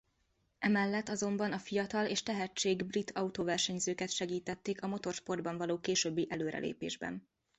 Emellett azonban a fiatal és tehetség brit autóversenyzőket segítették a motorsportban való későbbi előrelépésben.